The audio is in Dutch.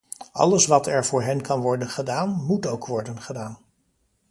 Alles wat er voor hen kan worden gedaan, moet ook worden gedaan.